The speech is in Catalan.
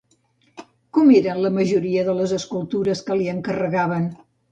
Com eren la majoria de les escultures que li encarregaven?